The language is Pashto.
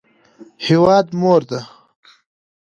هیواد مور ده